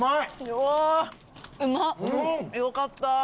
よかった。